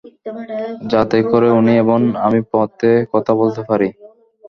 যাতে করে উনি এবং আমি পথে কথা বলতে পারি।